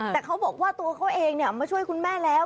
แต่เขาบอกว่าตัวเขาเองมาช่วยคุณแม่แล้ว